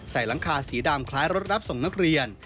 หลังคาสีดำคล้ายรถรับส่งนักเรียน